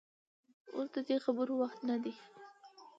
اوس د دې خبرو وخت نه دى.